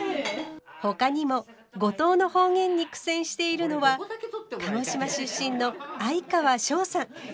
ほかにも五島の方言に苦戦しているのは鹿児島出身の哀川翔さん。